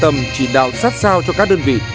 tâm chỉ đạo sát sao cho các đơn vị